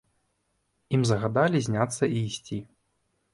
Ім загадалі зняцца і ісці.